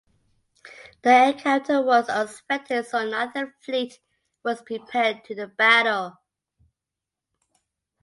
The encounter was unexpected so neither fleet was prepared to do battle.